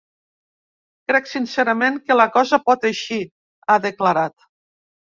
Crec sincerament que la cosa pot eixir, ha declarat.